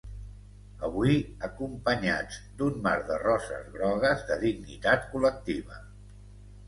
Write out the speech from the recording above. Avui, acompanyats d'un mar de roses grogues de dignitat col·lectiva.